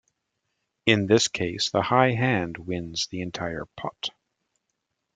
In this case, the high hand wins the entire pot.